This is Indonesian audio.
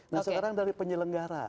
nah sekarang dari penyelenggara